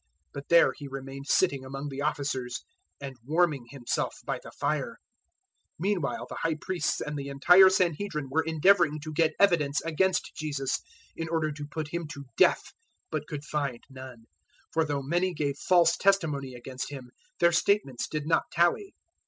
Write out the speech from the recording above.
But there he remained sitting among the officers, and warming himself by the fire. 014:055 Meanwhile the High Priests and the entire Sanhedrin were endeavouring to get evidence against Jesus in order to put Him to death, but could find none; 014:056 for though many gave false testimony against Him, their statements did not tally.